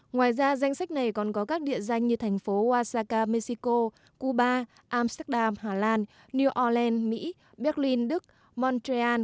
ngoài ra danh sách này còn có các địa danh như thành phố oasaka mexico cuba amsterdam hà lan new ielts mỹ berlin đức montreal